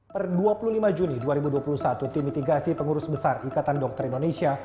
per dua puluh lima juni dua ribu dua puluh satu tim mitigasi pengurus besar ikatan dokter indonesia